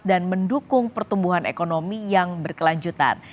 dan mendukung pertumbuhan ekonomi yang berkelanjutan